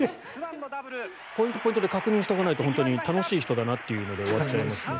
ポイント、ポイントで確認しておかないと楽しい人だなで終わっちゃいますけど。